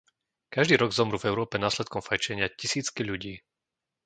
Každý rok zomrú v Európe následkom fajčenia tisícky ľudí.